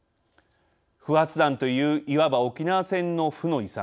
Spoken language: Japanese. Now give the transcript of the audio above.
不発弾といういわば沖縄戦の負の遺産。